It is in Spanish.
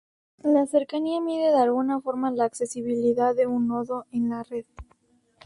La cercanía mide de alguna forma la accesibilidad de un nodo en la red.